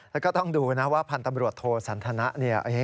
แล้วก็ต้องดูนะว่าพันธ์ตำรวจโทสันทนะเนี่ย